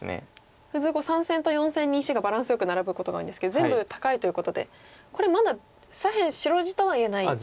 普通３線と４線に石がバランスよくナラぶことが多いんですけど全部高いということでこれまだ左辺白地とは言えないんですか。